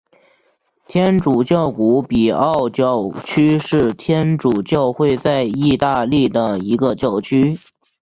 天主教古比奥教区是天主教会在义大利的一个教区。